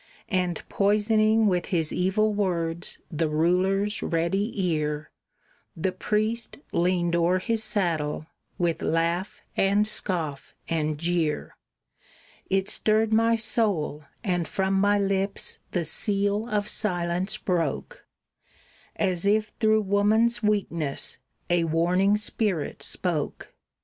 And poisoning with his evil words the ruler's ready ear, The priest leaned o'er his saddle, with laugh and scoff and jeer; It stirred my soul, and from my lips the seal of silence broke, As if through woman's weakness a warning spirit spoke.